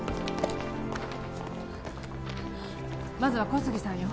まずは小杉さんよ